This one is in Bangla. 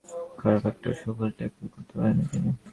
ওদিকে পিকের অবস্থা আরও খারাপ, একটাও সফল ট্যাকল করতে পারেননি তিনি।